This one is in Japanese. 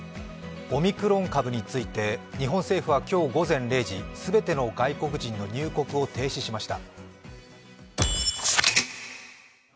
オミクロン株について日本政府は今日午前０時、全ての外国人の入国を停止しました。